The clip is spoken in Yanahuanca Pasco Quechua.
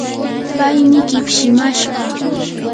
paymi kipshimashqa.